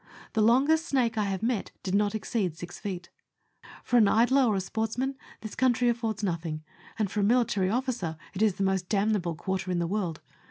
The longest snake I have met did not exceed six feet. For an idler or a sportsman, this country affords nothing, and for a military officer it is the most damnable quarter in the world.